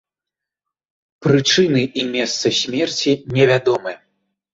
Прычыны і месца смерці не вядомы.